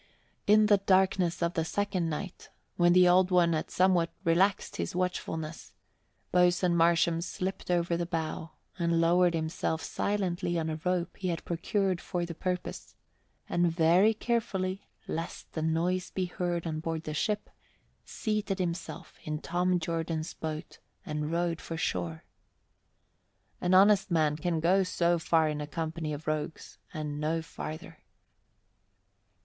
In the darkness of the second night, when the Old One had somewhat relaxed his watchfulness, Boatswain Marsham slipped over the bow and lowered himself silently on a rope he had procured for the purpose, and very carefully, lest the noise be heard on board the ship, seated himself in Tom Jordan's boat and rowed for shore. An honest man can go so far in a company of rogues and no farther.